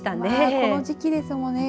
この時期ですもんね。